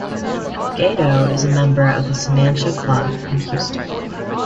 Gado is a member of the Samantia Club in Houston.